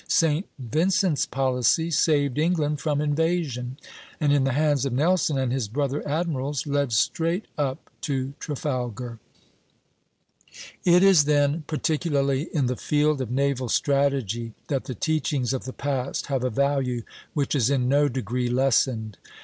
St. Vincent's policy saved England from invasion, and in the hands of Nelson and his brother admirals led straight up to Trafalgar. It is then particularly in the field of naval strategy that the teachings of the past have a value which is in no degree lessened.